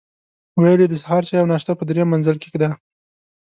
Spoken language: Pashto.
ویل یې د سهار چای او ناشته په درېیم منزل کې ده.